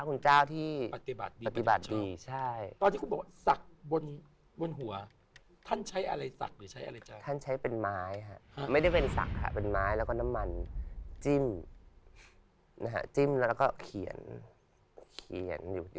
คุณพระคุณเจ้าที่